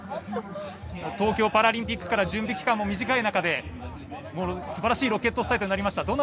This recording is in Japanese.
東京パラリンピックから準備期間も短い中ですばらしいロケットスタートになりました。